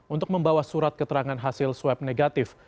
untuk membawa surat keterangan hasil swab negatif